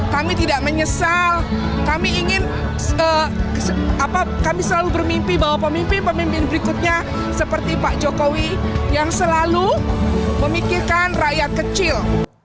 kami tidak menyesal kami ingin kami selalu bermimpi bahwa pemimpin pemimpin berikutnya seperti pak jokowi yang selalu memikirkan rakyat kecil